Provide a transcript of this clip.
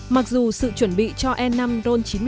mặc dù sự chuẩn bị cho e năm ron chín mươi bốn